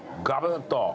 がぶっと。